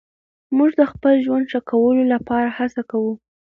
موږ د خپل ژوند ښه کولو لپاره هڅه کوو.